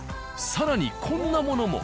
更にこんなものも。